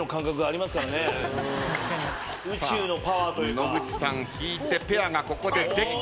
野口さん引いてペアがここでできた。